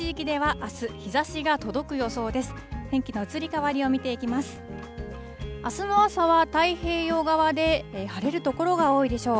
あすの朝は、太平洋側で晴れる所が多いでしょう。